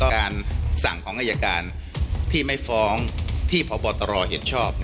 การสั่งของอายการที่ไม่ฟ้องที่พบตรเห็นชอบ